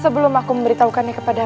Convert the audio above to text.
sebelum aku memberitahukannya kepadamu